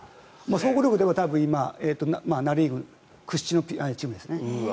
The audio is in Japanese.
総合力では今ナ・リーグ屈指のチームですね。